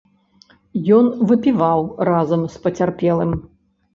Ён выпіваў разам з пацярпелым.